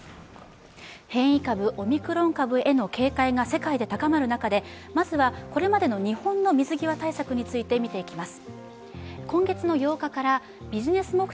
変異株、オミクロン株への警戒が世界で高まる中でまずはこれまでの日本の水際対策について見ていきます。